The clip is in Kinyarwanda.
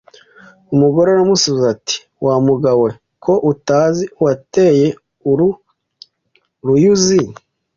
Umugore aramusubiza ati wa mugabo we ko utazi uwateye uru ruyuzi